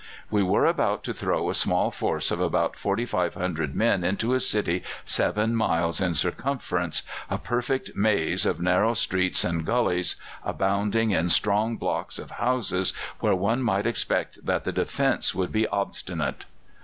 We were about to throw a small force of about 4,500 men into a city seven miles in circumference, a perfect maze of narrow streets and gullies, abounding in strong blocks of houses, where one might expect that the defence would be obstinate.